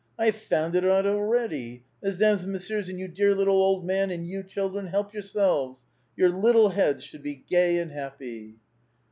^^I have found it oat ah*eadvl Mesdames and mes siears, and yon dear little old man, and yon, children, help 3*ourselve8 ; yoar litde heads should be gay and happy."